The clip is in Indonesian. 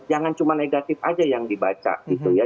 jangan cuma negatif aja yang dibaca gitu ya